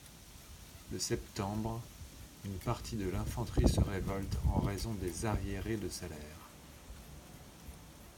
Le septembre, une partie de l'infanterie se révolte en raison des arriérés de salaire.